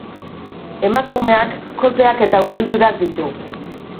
Emakumeak kolpeak eta ubeldurak ditu.